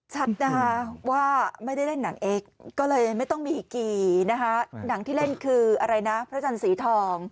ชัดนะคะว่าไม่ได้เล่นหนังเอ็กซ์ก็เลยไม่ต้องมีกี่นะคะหนังที่เล่นคืออะไรนะพระจันทร์สีทอง